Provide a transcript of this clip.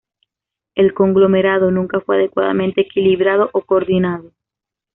El conglomerado nunca fue adecuadamente equilibrado o coordinado.